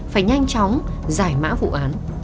phải nhanh chóng giải mã vụ án